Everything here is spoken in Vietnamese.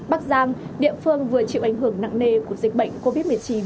bắc giang địa phương vừa chịu ảnh hưởng nặng nề của dịch bệnh covid một mươi chín